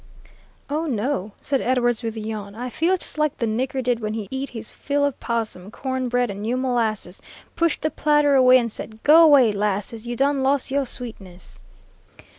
"Oh, no," said Edwards, with a yawn, "I feel just like the nigger did when he eat his fill of possum, corn bread, and new molasses: pushed the platter away and said, 'Go way, 'lasses, you done los' yo' sweetness.'"